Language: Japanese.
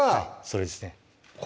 それですね